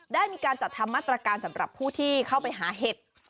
ได้มีการจัดทำมาตรการสำหรับผู้ที่เข้าไปหาเห็ด